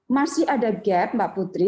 masih ada gap mbak putri